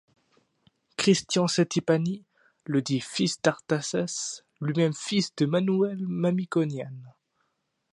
Christian Settipani le dit fils d'Artasès, lui-même fils de Manouel Mamikonian.